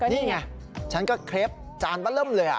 นี่ไงฉันก็เครพจานบั้นเริ่มเลย